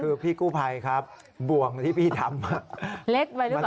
คือพี่กู้ภัยครับบ่วงที่พี่ทำ